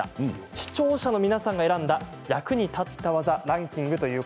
視聴者の皆さんが選んだ役に立った技ランキングです。